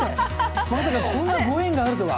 まさかこんなご縁があるとは。